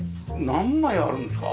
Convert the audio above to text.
何枚あるんですか？